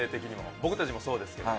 僕たちもそうですけど。